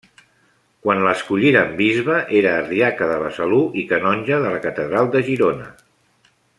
Quan l'escolliren bisbe era Ardiaca de Besalú i canonge de la Catedral de Girona.